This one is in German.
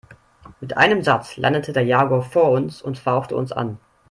Mit einem Satz landete der Jaguar vor uns und fauchte uns an.